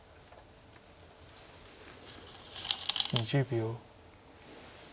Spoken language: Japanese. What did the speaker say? ２０秒。